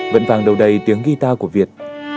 vẫn vàng đầu đầy tiếng guitar của việt